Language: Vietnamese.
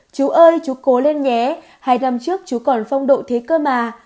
chú ơi chú cố lên nhé hai năm trước chú còn phong độ thế cơ mà